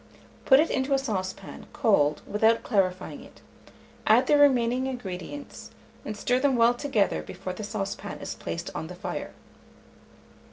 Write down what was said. Put it into a saucepan, cold, without clarifying it; add the remaining ingredients, and stir them well together before the saucepan is placed on the fire.